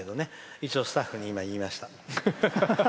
一応スタッフに言いました。